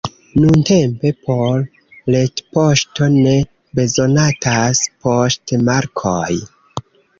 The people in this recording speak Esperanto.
Nuntempe por retpoŝto ne bezonatas poŝtmarkoj.